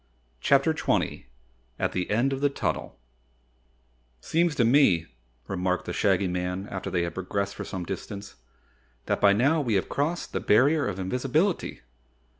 CHAPTER 20 At the End of the Tunnel "Seems to me," remarked the Shaggy Man after they had progressed for some distance, "that by now we may have crossed the Barrier of Invisibility."